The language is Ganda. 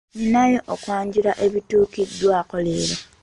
Ninayo okwanjula ebituukiddwako leero.